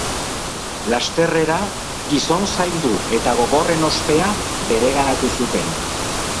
Lasterrera gizon zaildu eta gogorren ospea bereganatu zuten.